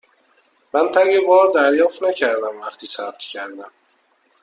من تگ بار دریافت نکردم وقتی ثبت کردم.